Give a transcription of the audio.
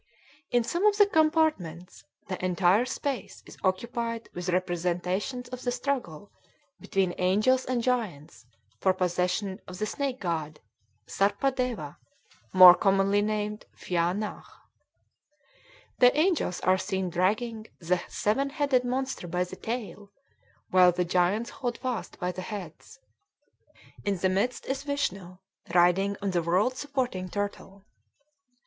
In some of the compartments the entire space is occupied with representations of the struggle between angels and giants for possession of the snake god, Sarpa deva, more commonly called Phya Naghk. The angels are seen dragging the seven headed monster by the tail, while the giants hold fast by the heads. In the midst is Vishnu, riding on the world supporting turtle.